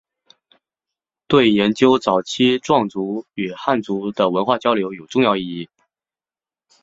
对研究早期壮族与汉族的文化交流有重要意义。